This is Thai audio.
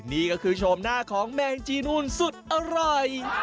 นี่ก็คือโฉมหน้าของแมงจีนูนสุดอร่อย